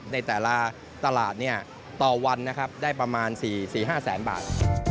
ในแต่ละตลาดต่อวันนะครับได้ประมาณ๔๕แสนบาท